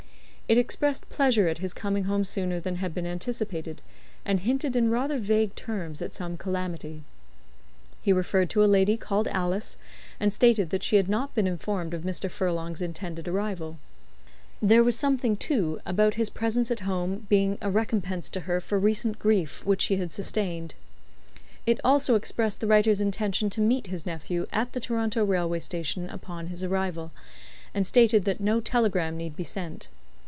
It expressed pleasure at his coming home sooner than had been anticipated, and hinted in rather vague terms at some calamity. He referred to a lady called Alice, and stated that she had not been informed of Mr. Furlong's intended arrival. There was something too, about his presence at home being a recompense to her for recent grief which she had sustained. It also expressed the writer's intention to meet his nephew at the Toronto railway station upon his arrival, and stated that no telegram need be sent.